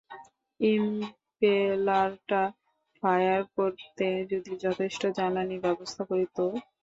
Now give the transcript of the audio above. ইম্পেলারটা fire করতে যদি যথেষ্ট জ্বালানীর ব্যবস্থা করি তো?